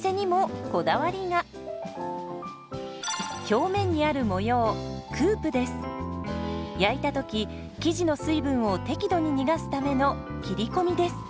表面にある模様焼いた時生地の水分を適度に逃がすための切り込みです。